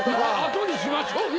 後にしましょうよ。